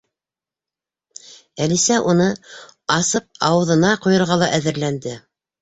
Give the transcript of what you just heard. Әлисә уны асып ауыҙына ҡойорға ла әҙерләнде.